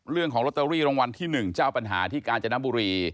เรื่องของลอตเตอรี่รางวัลที่๑เจ้าปัญหาที่กาญจนบุรี